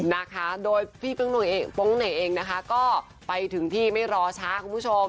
นะคะโดยพี่โป๊งเหน่งเองนะคะก็ไปถึงที่ไม่รอช้าคุณผู้ชม